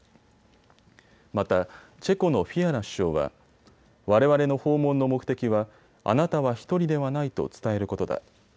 またチェコのフィアラ首相はわれわれの訪問の目的はあなたは１人ではないと伝えることだ。